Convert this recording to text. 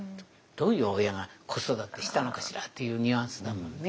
「どういう親が子育てしたのかしら」というニュアンスだもんね。